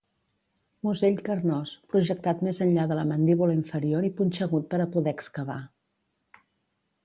Musell carnós, projectat més enllà de la mandíbula inferior i punxegut per a poder excavar.